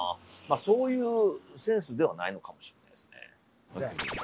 そういうセンスではないのかもしれないですね。